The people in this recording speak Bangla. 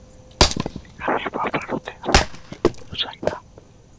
এখানে বা ভারতে আমি কারও সাহায্য চাই না।